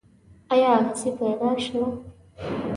ایا اغزی پیدا شو.